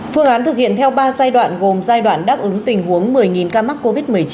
phương án thực hiện theo ba giai đoạn gồm giai đoạn đáp ứng tình huống một mươi ca mắc covid một mươi chín